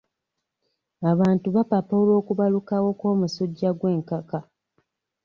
Abantu bapapa olw'okubalukawo kw'omusujja gw'enkaka.